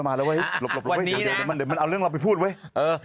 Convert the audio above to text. มาเดี๋ยวเดี๋ยวมันเอาเรื่องเราไปพูดไว้